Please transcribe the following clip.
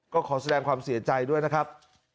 ก็ขอแสดงความเสียใจด้วยนะครับ